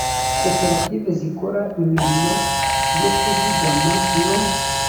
koperative zikora imirimo yo kuzigama no